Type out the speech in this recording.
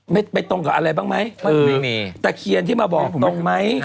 ไม่ตรงกับอะไรบ้างไหมแต่เขียนที่มาบอกตรงไหม